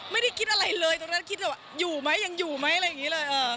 ไม่ได้คิดอะไรเลยตอนนั้นคิดว่าอยู่ไหมยังอยู่ไหมอะไรอย่างนี้เลย